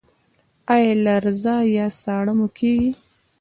ایا لرزه یا ساړه مو کیږي؟